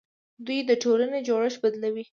دوی د ټولنې جوړښت بدلوي.